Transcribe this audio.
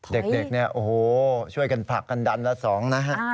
เด็กเนี่ยโอ้โหช่วยกันผลักกันดันละสองนะฮะ